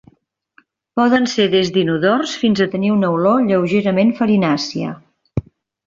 Poden ser des d'inodors fins a tenir una olor lleugerament farinàcia.